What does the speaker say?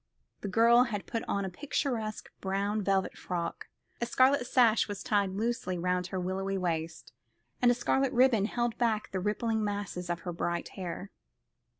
The girl had put on a picturesque brown velvet frock. A scarlet sash was tied loosely round her willowy waist, and a scarlet ribbon held back the rippling masses of her bright hair.